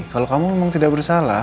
kalau kamu memang tidak bersalah